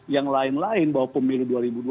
yang lain lain bahwa pemilu dua ribu dua puluh